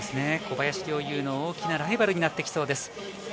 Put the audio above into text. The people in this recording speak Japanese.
小林陵侑の大きなライバルになってきそうです。